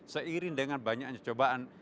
seiring dengan banyaknya cobaan